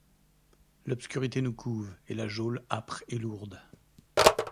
L’obscurité nous couve, et la geôle âpre et lourde